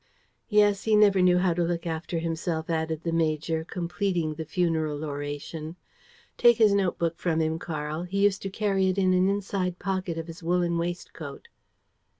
"Yes, he never knew how to look after himself," added the major, completing the funeral oration. "Take his pocketbook from him, Karl. He used to carry it in an inside pocket of his woolen waistcoat."